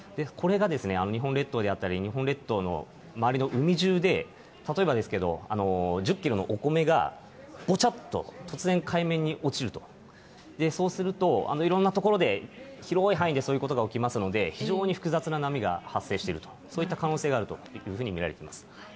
これが日本列島であったり、日本列島の周りの海中で、例えばですけど、１０キロのお米が、ぼちゃっと突然海面に落ちると、そうすると、いろんな所で、広い範囲でそういうことが起きますので、非常に複雑な波が発生している、そういった可能性があるというふうに見られています。